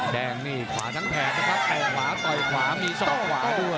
แดงนี่ขวาทั้งแผนนะครับแต่ขวาต่อยขวามีศอกขวาด้วย